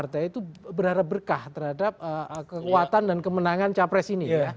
yang kedua adalah semua partai itu berharap berkah terhadap kekuatan dan kemenangan capres ini ya